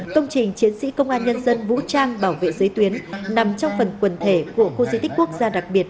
công trình chiến sĩ công an nhân dân vũ trang bảo vệ giới tuyến nằm trong phần quần thể của khu di tích quốc gia đặc biệt